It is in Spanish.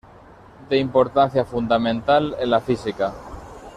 De importancia fundamental en la física.